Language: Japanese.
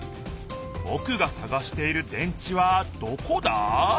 ぼくがさがしている電池はどこだ？